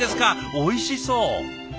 おいしそう。